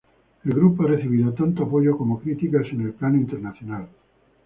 El grupo ha recibido tanto apoyo como críticas en el plano internacional.